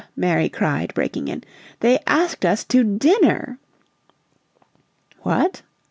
Mary cried, breaking in. "They asked us to DINNER!" "What!"